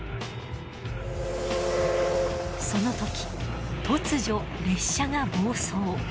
その時突如列車が暴走。